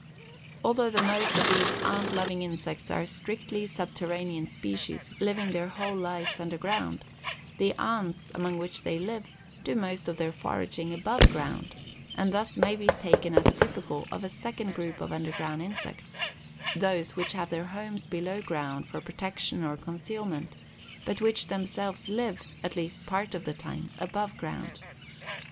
Although the most of these "ant loving" insects are strictly subterranean species, living their whole lives underground, the ants, among which they live, do most of their foraging above ground, and thus may be taken as typical of a second group of underground insects those which have their homes below ground for protection or concealment, but which themselves live, at least part of the time, above ground.